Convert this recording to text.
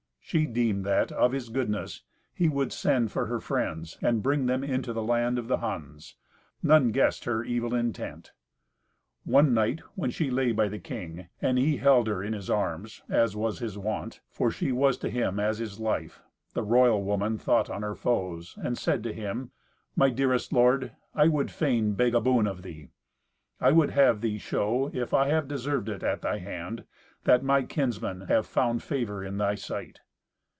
She deemed that, of his goodness, he would send for her friends and bring them into the land of the Huns. None guessed her evil intent. One night, when she lay by the king, and he held her in his arms, as was his wont, for she was to him as his life, the royal woman thought on her foes, and said to him, "My dearest lord, I would fain beg a boon of thee. I would have thee show, if I have deserved it at thy hand, that my kinsmen have found favour in thy sight."